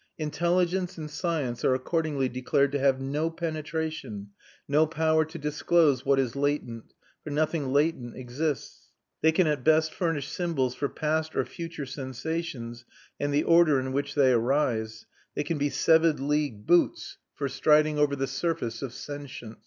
Intelligence and science are accordingly declared to have no penetration, no power to disclose what is latent, for nothing latent exists; they can at best furnish symbols for past or future sensations and the order in which they arise; they can be seven league boots for striding over the surface of sentience.